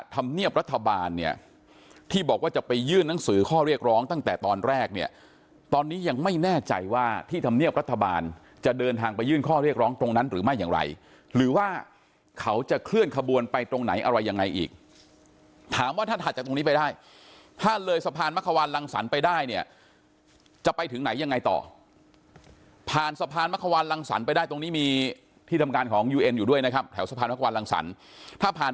ที่บอกว่าจะไปยื่นหนังสือข้อเรียกร้องตั้งแต่ตอนแรกเนี่ยตอนนี้ยังไม่แน่ใจว่าที่ธรรมเนียบรัฐบาลจะเดินทางไปยื่นข้อเรียกร้องตรงนั้นหรือไม่อย่างไรหรือว่าเขาจะเคลื่อนขบวนไปตรงไหนอะไรยังไงอีกถามว่าถ้าถัดจากตรงนี้ไปได้ถ้าเลยสะพานมะขวานลังสรรไปได้เนี่ยจะไปถึงไหนยังไงต่อผ่านสะพานมะขวาน